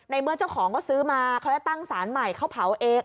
เมื่อเจ้าของเขาซื้อมาเขาจะตั้งสารใหม่เขาเผาเอง